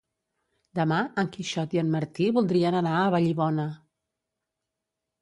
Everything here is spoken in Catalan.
Demà en Quixot i en Martí voldrien anar a Vallibona.